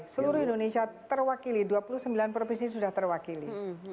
seluruh indonesia terwakili dua puluh sembilan provinsi sudah terwakili